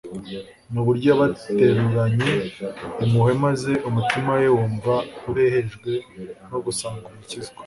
n'uburyo yabateruranye impuhwe maze umutima we wumva urehejwe no gusanga Umukiza.